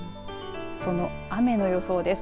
その雨の予想です。